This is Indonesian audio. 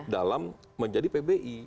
dalam menjadi pbi